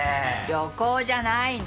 旅行じゃないの！